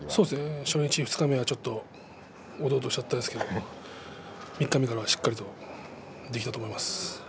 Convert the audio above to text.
初日、二日目辺りはおどおどしちゃったんですけれど三日目は、しっかりできたと思います。